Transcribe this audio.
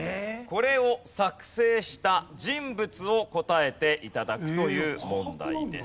これを作成した人物を答えて頂くという問題です。